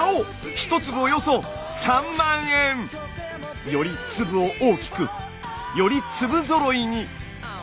１粒およそ３万円！より粒を大きくより粒ぞろいに。